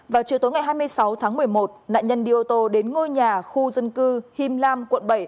vào chiều tối ngày hai mươi sáu tháng một mươi một nạn nhân đi ô tô đến ngôi nhà khu dân cư him lam quận bảy